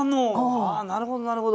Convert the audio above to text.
ああなるほどなるほど。